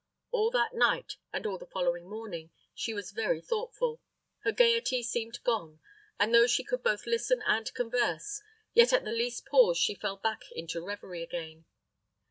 All that night, and all the following morning, she was very thoughtful. Her gayety seemed gone, and though she could both listen and converse, yet at the least pause she fell back into a revery again.